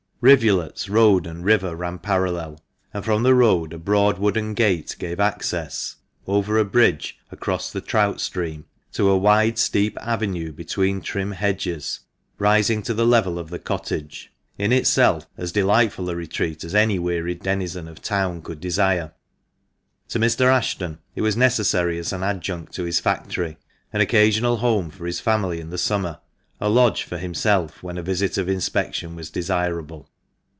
Rivulets, road, and river ran parallel. And from the road a broad wooden gate gave access (over a bridge across the trout stream) to a wide, steep avenue between trim hedges, rising to the level of the cottage, in itself as delightful a retreat as any wearied denizen of town could desire. To Mr. Ashton it was necessary as an adjunct to his factory; an occasional home for his family in the summer, a lodge for himself when a visit of inspection was desirable.